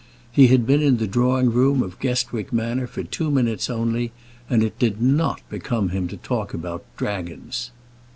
He had been in the drawing room of Guestwick Manor for two minutes only, and it did not become him to talk about dragons.